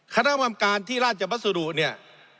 คณะบำมการที่ราชบรรสุรุเนี่ย